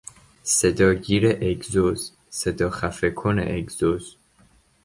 صداگیر اگزوز، صداخفه کن اگزوز